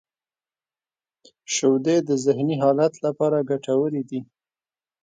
• شیدې د ذهنی حالت لپاره ګټورې دي.